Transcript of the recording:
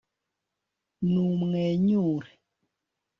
numwenyure